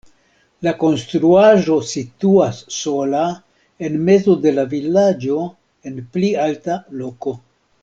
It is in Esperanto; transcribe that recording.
La konstruaĵo situas sola en mezo de la vilaĝo en pli alta loko.